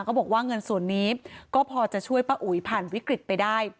บอกว่าเงินส่วนนี้ก็พอจะช่วยป้าอุ๋ยผ่านวิกฤตไปได้